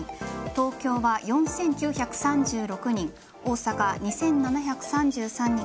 東京は４９３６人大阪、２７３３人。